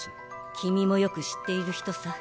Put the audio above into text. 君もよく知っている人さ。